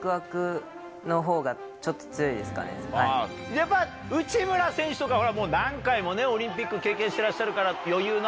やっぱ内村選手とかは何回もオリンピック経験してらっしゃるから。